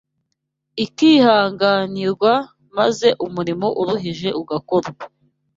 ikihanganirwa, maze umurimo uruhije ugakorwa